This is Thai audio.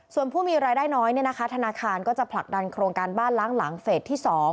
ส่วนผู้มีรายได้น้อยธนาคารก็จะผลักดันโครงการบ้านล้างหลังเฟสที่๒